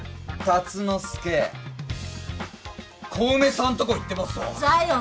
竜之介小梅さんとこ行ってますわ。